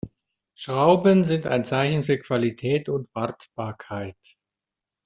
Schrauben sind ein Zeichen für Qualität und Wartbarkeit.